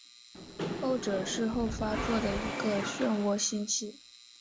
后者是后发座的一个旋涡星系。